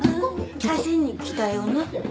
かせに来たよな。